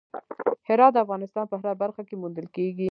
هرات د افغانستان په هره برخه کې موندل کېږي.